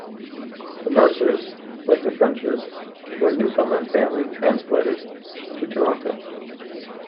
The Mercers, like the Frenches, were a Newfoundland family transplanted to Toronto.